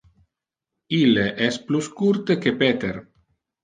Ille es plus curte que Peter.